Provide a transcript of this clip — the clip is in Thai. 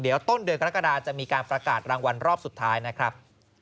เดี๋ยวต้นเดือนกรกฎาจะมีการประกาศรางวัลรอบสุดท้ายนะครับ